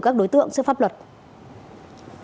các đối tượng đã lấy đi bốn điện thoại samsung và tẩu thoát